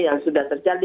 yang sudah terjadi